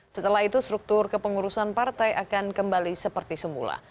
setelah itu struktur kepengurusan partai akan kembali seperti semula